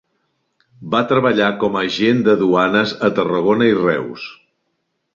Va treballar com a agent de duanes a Tarragona i Reus.